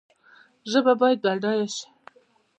ژبه باید بډایه شي